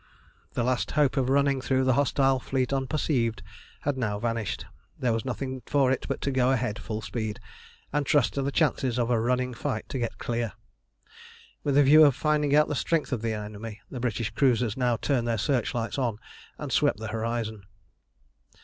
The last hope of running through the hostile fleet unperceived had now vanished. There was nothing for it but to go ahead full speed, and trust to the chances of a running fight to get clear. With a view of finding out the strength of the enemy, the British cruisers now turned their searchlights on and swept the horizon.